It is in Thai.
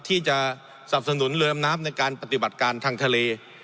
ที่จะสับสนุนเรือมน้ำในการปฏิบัติการทางทะเล